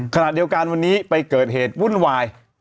ขณะเดียวกันวันนี้ไปเกิดเหตุวุ่นวาย